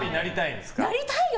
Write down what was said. なりたいよ